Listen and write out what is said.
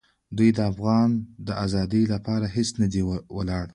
دوی د افغان د آزادۍ لپاره هېڅ نه دي ولاړ.